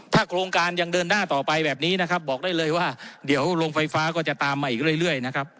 ถ้าโครงการยังเดินหน้าต่อไปแบบนี้นะครับบอกได้เลยว่าเดี๋ยวโรงไฟฟ้าก็จะตามมาอีกเรื่อยนะครับ